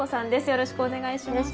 よろしくお願いします。